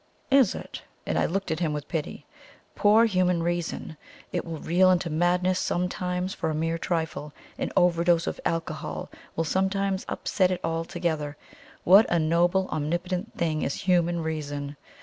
"Is it?" and I looked at him with pity. "Poor human reason! It will reel into madness sometimes for a mere trifle an overdose of alcohol will sometimes upset it altogether what a noble omnipotent thing is human reason!